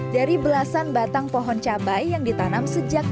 dari belasan batang pohon cabai yang ditanam sejak tahun dua ribu